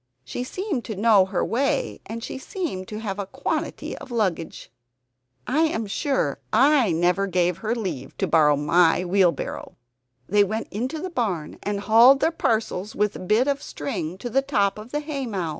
She seemed to know her way, and she seemed to have a quantity of luggage. I am sure I never gave her leave to borrow my wheelbarrow! They went into the barn and hauled their parcels with a bit of string to the top of the haymow.